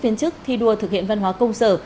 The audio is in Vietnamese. viên chức thi đua thực hiện văn hóa công sở